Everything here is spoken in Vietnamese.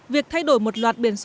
việc thay đổi một loạt biển số xe